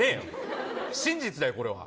真実だよ。